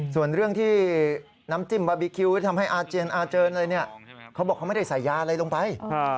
ส่วนเรื่องที่น้ำจิ้มบาร์บีคิวที่ทำให้อาเจียนอาเจนอะไรเนี่ยเขาบอกเขาไม่ได้ใส่ยาอะไรลงไป